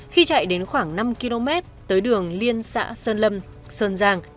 khi chạy đến khoảng năm km tới đường liên xã sơn lâm sơn giang